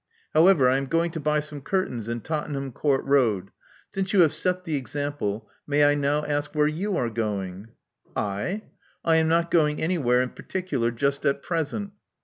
However, I am going to buy some curtains in Tottenham Court Road. Since you have set the example, may I now ask where you are going?" I? I am not going anywhere in particular just at present."